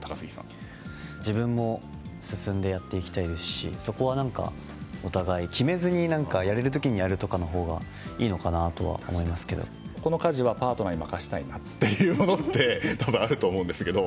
自分も進んでやっていきたいですしそこはお互い、決めずにやれる時にやるというほうがこの家事はパートナーに任せたいなというものってあると思うんですけど。